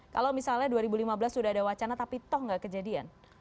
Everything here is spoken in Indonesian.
kalau misalnya dua ribu lima belas sudah ada wacana tapi toh nggak kejadian